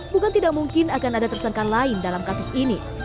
bukan tidak mungkin akan ada tersangka lain dalam kasus ini